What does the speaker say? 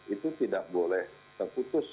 itu tidak boleh terputus